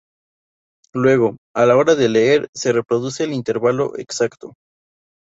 Luego, a la hora de leer, se reproduce el intervalo exacto.